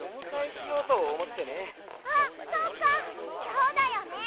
あっそうかきょうだよね！